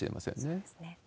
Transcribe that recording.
そうですね。